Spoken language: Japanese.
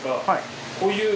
はい。